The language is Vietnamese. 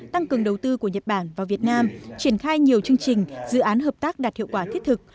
tăng cường đầu tư của nhật bản vào việt nam triển khai nhiều chương trình dự án hợp tác đạt hiệu quả thiết thực